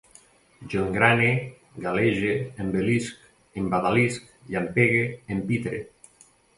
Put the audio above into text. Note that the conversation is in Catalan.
Jo engrane, galege, envellisc, embadalisc, llampegue, empitre